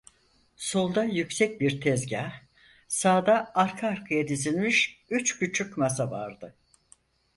Solda yüksek bir tezgâh, sağda arka arkaya dizilmiş üç küçük masa vardı.